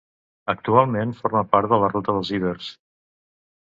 Actualment forma part de la Ruta dels Ibers.